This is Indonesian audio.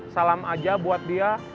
salam aja buat dia